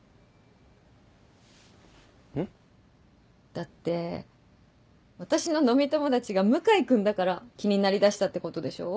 だって私の飲み友達が向井君だから気になりだしたってことでしょ？